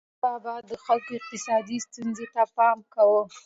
احمدشاه بابا به د خلکو اقتصادي ستونزو ته پام کاوه.